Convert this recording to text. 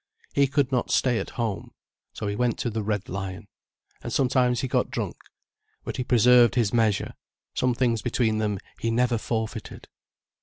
He could not stay at home. So he went to the "Red Lion". And sometimes he got drunk. But he preserved his measure, some things between them he never forfeited.